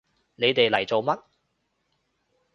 你哋嚟做乜？